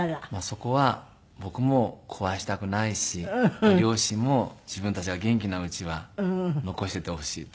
そこは僕も壊したくないし両親も自分たちが元気なうちは残しておいてほしいという事で。